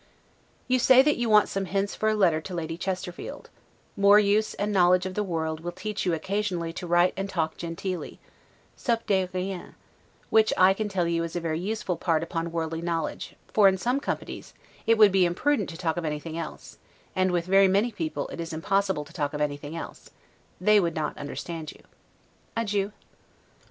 You say that you want some hints for a letter to Lady Chesterfield; more use and knowledge of the world will teach you occasionally to write and talk genteelly, 'sup des riens', which I can tell you is a very useful part upon worldly knowledge; for in some companies, it would be imprudent to talk of anything else; and with very many people it is impossible to talk of anything else; they would not understand you. Adieu.